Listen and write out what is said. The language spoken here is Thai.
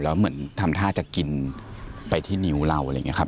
แล้วเหมือนทำท่าจะกินไปที่นิ้วเราอะไรอย่างนี้ครับ